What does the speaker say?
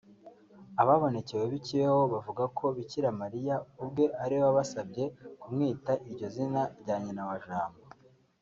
Ababonekewe b’i Kibeho bavuga ko Bikira Mariya ubwe ariwe wabasabye kumwita iryo zina rya Nyina wa Jambo